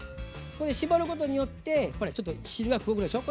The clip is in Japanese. ここで絞ることによってほらちょっと汁が黒くなるでしょ。